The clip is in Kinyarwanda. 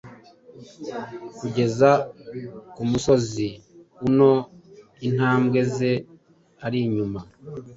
Kugeza ku muozi anon intambwe ze arinyuma,